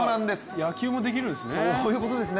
野球もできるんですね。